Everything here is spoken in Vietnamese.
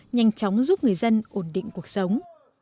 nhanh chóng giúp người dân ổn định cuộc sống